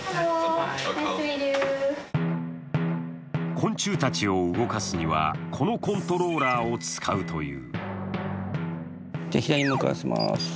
昆虫を動かすには、このコントローラーを使うという。